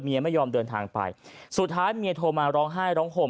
ไม่ยอมเดินทางไปสุดท้ายเมียโทรมาร้องไห้ร้องห่ม